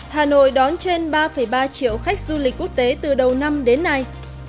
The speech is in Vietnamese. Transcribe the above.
hà nội đón trên ba ba triệu khách du lịch quốc tế từ đầu năm đến nay